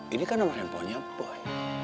ini kan nama handphonenya boy